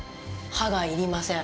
歯が要りません？